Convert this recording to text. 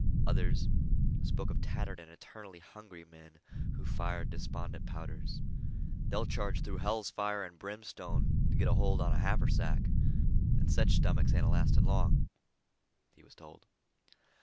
Others spoke of tattered and eternally hungry men who fired despondent powders. "They'll charge through hell's fire an' brimstone t' git a holt on a haversack, an' sech stomachs ain't a'lastin' long," he was told.